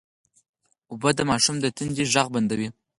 اوبه د ماشوم د تندې غږ بندوي